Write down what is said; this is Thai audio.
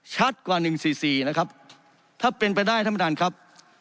ชัดกว่า๑๔๔นะครับถ้าเป็นไปได้ธรรมดาลครับ